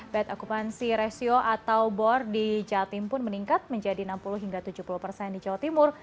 bed okupansi ratio atau bor di jatim pun meningkat menjadi enam puluh hingga tujuh puluh persen di jawa timur